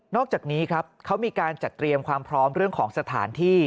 อกจากนี้ครับเขามีการจัดเตรียมความพร้อมเรื่องของสถานที่